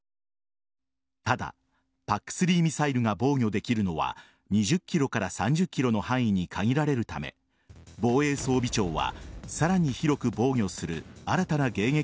ただ、ＰＡＣ‐３ ミサイルが防御できるのは ２０ｋｍ から ３０ｋｍ の範囲に限られるためいつもの洗濯がいつもの服が